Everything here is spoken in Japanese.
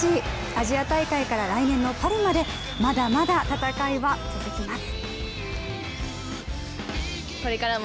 アジア大会から来年のパリまでまだまだ戦いは続きます。